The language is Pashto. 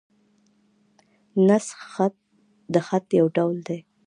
نسخ خط؛ د خط یو ډول دﺉ.